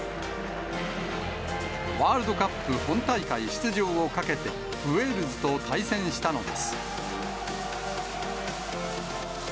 ワールドカップ本大会出場をかけて、ウェールズと対戦したのです。